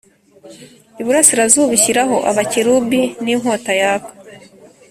iburasirazuba ishyiraho Abakerubi n inkota yaka